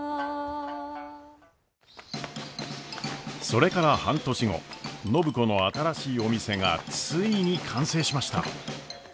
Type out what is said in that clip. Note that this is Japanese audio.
それから半年後暢子の新しいお店がついに完成しました。